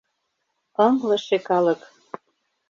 Ыҥлыше калык!...